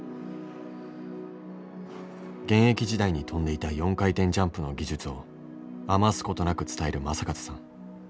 現役時代に跳んでいた４回転ジャンプの技術を余すことなく伝える正和さん。